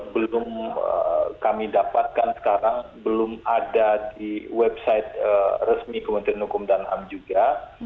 belum kami dapatkan sekarang belum ada di website resmi kementerian hukum dan ham juga